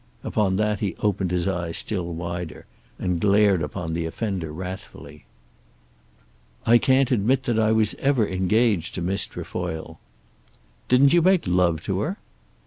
Upon that he opened his eyes still wider, and glared upon the offender wrathfully. "I can't admit that I was ever engaged to Miss Trefoil." "Didn't you make love to her?"